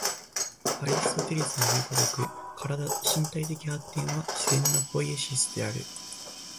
アリストテレスのいう如く、身体的発展は自然のポイエシスである。